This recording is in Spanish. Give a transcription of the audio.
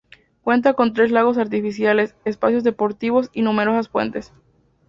Cuenta con tres lagos artificiales, espacios deportivos y numerosas fuentes.